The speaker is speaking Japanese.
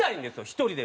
１人で。